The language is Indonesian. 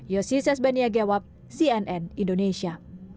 yosi sesbaniagewap cnn indonesia